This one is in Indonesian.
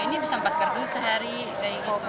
ini bisa empat kardus sehari kayak gitu